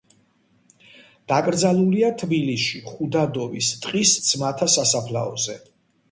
დაკრძალულია თბილისში, ხუდადოვის ტყის ძმათა სასაფლაოზე.